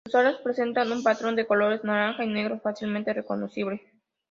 Sus alas presentan un patrón de colores naranja y negro fácilmente reconocible.